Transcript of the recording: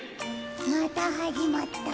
またはじまった。